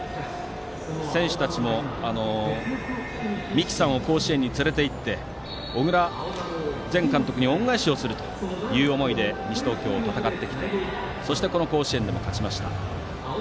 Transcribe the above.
選手たちも三木さんを甲子園に連れて行って小倉前監督に恩返しをするという思いで西東京を戦ってきてそしてこの甲子園でも勝ちました。